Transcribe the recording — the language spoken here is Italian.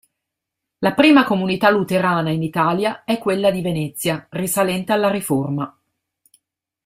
La prima comunità luterana in Italia è quella di Venezia, risalente alla Riforma.